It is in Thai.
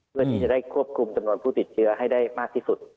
เพื่อที่จะได้ควบคุมจำนวนผู้ติดเชื้อให้ได้มากที่สุด